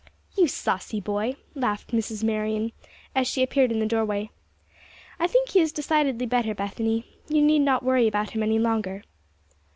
'" "You saucy boy!" laughed Mrs. Marion, as she appeared in the doorway. "I think he is decidedly better, Bethany; you need not worry about him any longer."